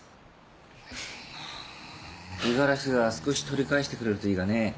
五十嵐が少し取り返してくれるといいがね。